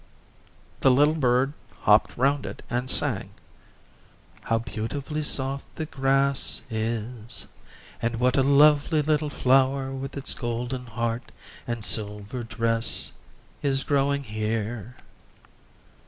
The little bird hopped round it and sang, "How beautifully soft the grass is, and what a lovely little flower with its golden heart and silver dress is growing here."